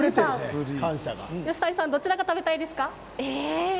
吉谷さんどちらが食べたいですか？